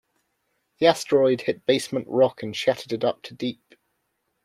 The asteroid hit basement rock and shattered it up to deep.